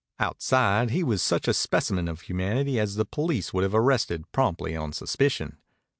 Outside, he was such a specimen of humanity as the police would have arrested promptly on suspicion.